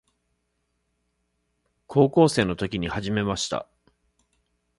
高校生の時に始めました。